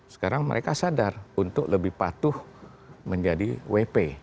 sekarang mereka sadar untuk lebih patuh menjadi wp